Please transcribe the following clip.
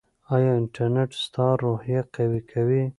ایا انټرنیټ ستا روحیه قوي کوي؟